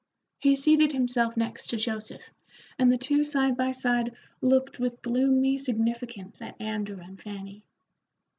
He seated himself next to Joseph, and the two side by side looked with gloomy significance at Andrew and Fanny.